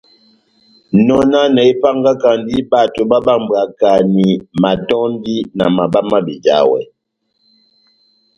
Nɔnanɛ épángakandi bato bábambwakani matɔ́ndi na mabá má bejawɛ.